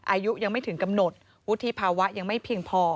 อายุยังไม่ถึงกำหนดวุฒิภาวะยังไม่เพียงพอ